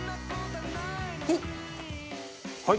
はい。